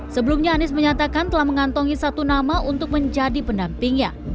sebelumnya anies menyatakan telah mengantongi satu nama untuk menjadi pendampingnya